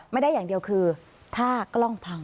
ไม่ได้อย่างเดียวคือถ้ากล้องพัง